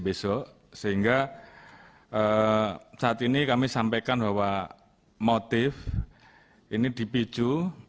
besok sehingga saat ini kami sampaikan bahwa motif ini dipicu